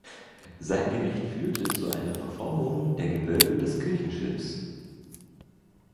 Sein Gewicht führte zu einer Verformung der Gewölbe des Kirchenschiffs.